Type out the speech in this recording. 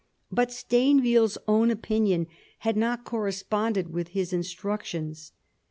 But Stainville's own opinion had not corresponded with his instructions.